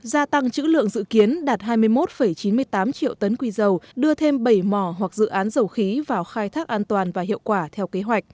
gia tăng chữ lượng dự kiến đạt hai mươi một chín mươi tám triệu tấn quy dầu đưa thêm bảy mỏ hoặc dự án dầu khí vào khai thác an toàn và hiệu quả theo kế hoạch